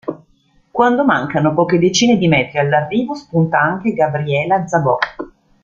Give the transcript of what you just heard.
Quando mancano poche decine di metri all'arrivo spunta anche Gabriela Szabó.